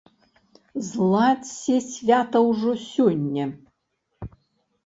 Зладзьце свята ўжо сёння!